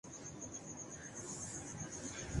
یہ بات ان کی سمجھ میں نہیں آ رہی۔